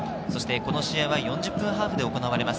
この試合は４０分ハーフで行われます。